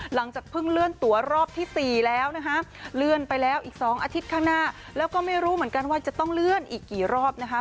หลังจากเพิ่งเลื่อนตัวรอบที่๔แล้วนะคะเลื่อนไปแล้วอีก๒อาทิตย์ข้างหน้าแล้วก็ไม่รู้เหมือนกันว่าจะต้องเลื่อนอีกกี่รอบนะคะ